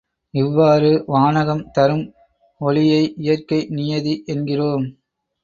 இவ்வாறு, வானகம் தரும் ஒளியை இயற்கை நியதி என்கிறோம்.